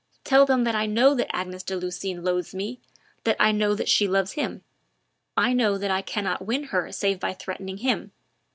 Tell them that I know that Agnes de Lucines loathes me, that I know that she loves him. I know that I cannot win her save by threatening him.